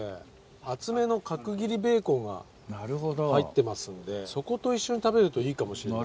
厚めの角切りベーコンが入ってますんでそこと一緒に食べるといいかもしんない。